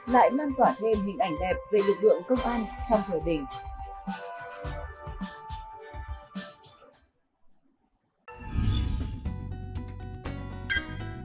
lại lan tỏa thêm hình ảnh đẹp về lực lượng công an trong thời bình